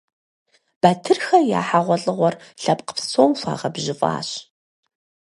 Батырхэ я хьэгъуэлӀыгъуэр лъэпкъ псом хуагъэбжьыфӀащ.